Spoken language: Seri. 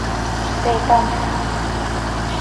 ¡Pte camjc!